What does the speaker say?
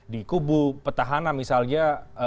dikubu petahana misalnya